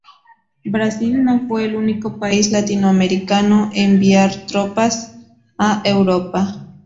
Brasil no fue el único país latinoamericano en enviar tropas a Europa.